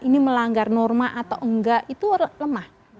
ini melanggar norma atau enggak itu lemah